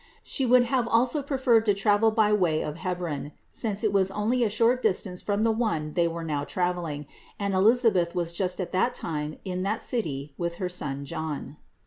She would have also preferred to travel by way of Hebron; since it was only a short distance from the one they were now traveling, and Elisabeth was just at that time in that city with her son John.